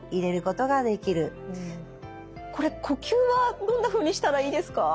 これ呼吸はどんなふうにしたらいいですか？